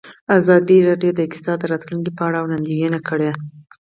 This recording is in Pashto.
ازادي راډیو د اقتصاد د راتلونکې په اړه وړاندوینې کړې.